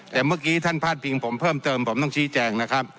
แต่เมื่อกี้ท่านพาดพิงผมเพิ่มเติมผมต้องชี้แจงนะครับ